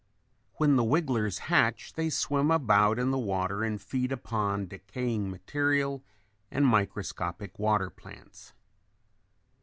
When the wigglers hatch they swim about in the water and feed upon decaying material and microscopic water plants.